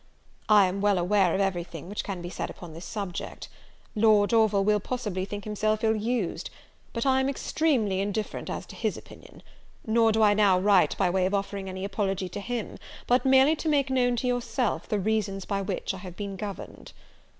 "I am well aware of every thing which can be said upon this subject. Lord Orville will, possibly, think himself ill used; but I am extremely indifferent as to his opinion; nor do I now write by way of offering any apology to him, but merely to make known to yourself the reasons by which I have been governed.